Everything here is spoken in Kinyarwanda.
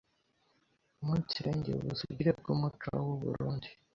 umunsirengera ubusugire bw’umuco w’u Burunndi